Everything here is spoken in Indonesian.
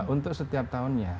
untuk setiap tahunnya